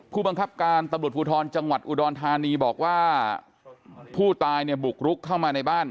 ผู้บังคับการตำรวจภูทรจังหวัดอุดรธานีบอกว่าผู้ตายเนี่ยบุกรุกเข้ามาในบ้าน